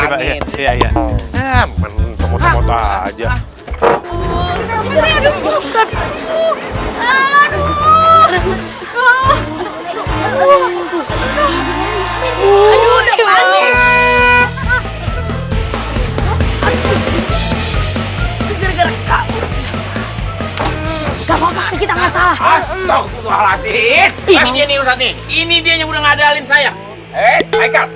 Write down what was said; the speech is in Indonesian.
ini dia yang udah ngadalin saya